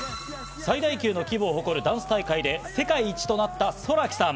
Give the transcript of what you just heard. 最大級の規模を誇るダンス大会で世界一となったＳｏｒａＫｉさん。